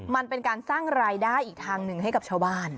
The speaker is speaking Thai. มันเป็นการสร้างรายได้อีกทางหนึ่งให้กับชาวบ้าน